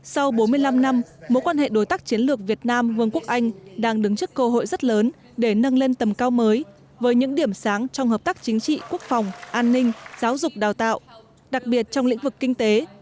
sau bốn mươi năm năm mối quan hệ đối tác chiến lược việt nam vương quốc anh đang đứng trước cơ hội rất lớn để nâng lên tầm cao mới với những điểm sáng trong hợp tác chính trị quốc phòng an ninh giáo dục đào tạo đặc biệt trong lĩnh vực kinh tế